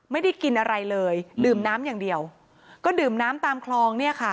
ไม่ได้กินอะไรเลยดื่มน้ำอย่างเดียวก็ดื่มน้ำตามคลองเนี่ยค่ะ